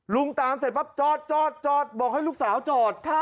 ลุงตามเสร็จปั๊บจอดจอดจอดบอกให้ลูกสาวจอดค่ะ